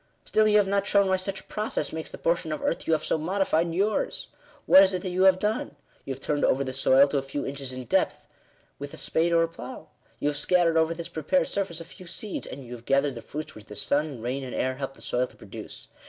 " Still you have not shown why such a process makes the portion of earth you have so modified yours. What is it that you have done ? You have turned over the soil to a few inches in depth with a spade or a plough ; you have scattered over this prepared surface a few seeds ; and you have gathered the fruits which the sun, rain, and air, helped the soil to produce.